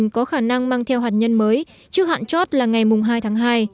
có khả năng mang theo hạt nhân mới trước hạn chót là ngày hai tháng hai